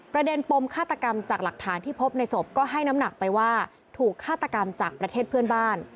ประเด็นปมฆาตกรรมจากหลักฐานที่พบในศพก็ให้น้ำหนักไปว่าถูกฆาตกรรมจากประเทศเพื่อนบ้าน